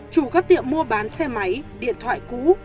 chủ các tiệm mua bán xe máy điện thoại cũ